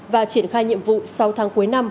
và triển khai nhiệm vụ sáu tháng cuối năm